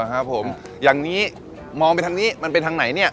ครับผมอย่างนี้มองไปทางนี้มันเป็นทางไหนเนี่ย